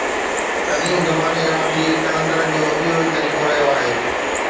قديم زماني کان وٺي قلندرن جو اهو طريقو رهيو آهي